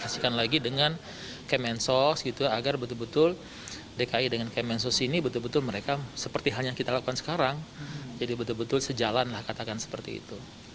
saat rapat dengan komisi e dprd pada selasa siang